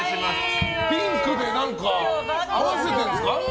ピンクで何か合わせてるんですか？